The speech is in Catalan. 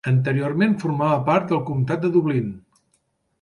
Anteriorment formava part del Comtat de Dublín.